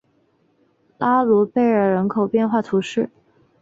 拉卢贝尔人口变化图示